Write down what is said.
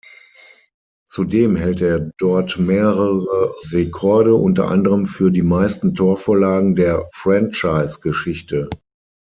Zudem hält er dort mehrere Rekorde, unter anderem für die meisten Torvorlagen der Franchise-Geschichte.